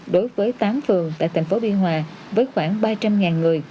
đối với tám phường tại thành phố biên hòa với khoảng ba trăm linh người